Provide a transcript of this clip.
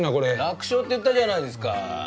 楽勝って言ったじゃないですか。